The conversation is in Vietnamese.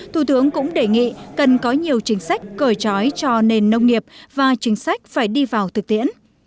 thủ tướng cũng đề nghị cần có nhiều chính sách cởi trói cho nền nông nghiệp và chính sách phải đi vào thực tiễn